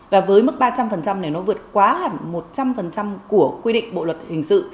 và với mức ba trăm linh này nó vượt quá hẳn một trăm linh của quy định bộ luật hình sự